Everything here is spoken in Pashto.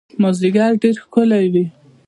مازیګر ډېر ښکلی وي